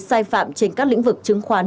sai phạm trên các lĩnh vực chứng khoán